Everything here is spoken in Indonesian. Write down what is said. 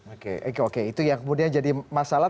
oke oke itu yang kemudian jadi masalah